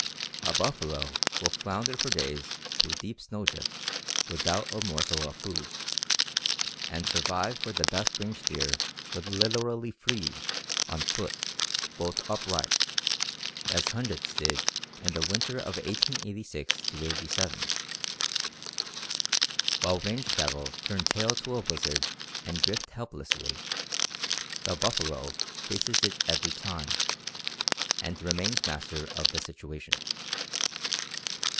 A buffalo will flounder for days through deep snow drifts without a morsel of food, and survive where the best range steer would literally freeze on foot, bolt upright, as hundreds did in the winter of 1886 '87. While range cattle turn tail to a blizzard and drift helplessly, the buffalo faces it every time, and remains master of the situation.